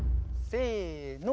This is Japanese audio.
せの。